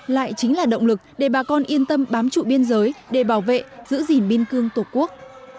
lại chính là động lực để bà con yên tâm bám trụ biên giới để bảo vệ giữ gìn biên cương tổ quốc